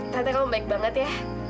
ternyata kamu baik banget ya